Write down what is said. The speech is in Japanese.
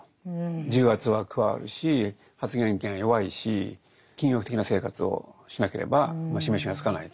重圧は加わるし発言権は弱いし禁欲的な生活をしなければ示しがつかないと。